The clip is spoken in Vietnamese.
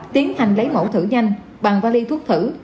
tiến hành lấy mẫu thử nhanh bằng vali thuốc thử